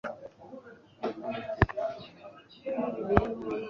waba ufite igitekerezo icyo aricyo